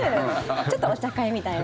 ちょっとお茶会みたいな。